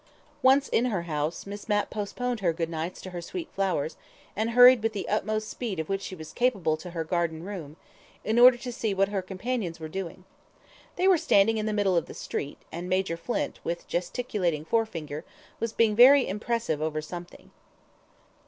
Once in her house Miss Mapp postponed her good nights to her sweet flowers, and hurried with the utmost speed of which she was capable to her garden room, in order to see what her companions were doing. They were standing in the middle of the street, and Major Flint, with gesticulating forefinger, was being very impressive over something.